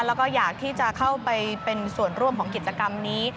แล้วก็อยากที่จะเข้าไปเป็นส่วนร่วมของกิจกรรมนี้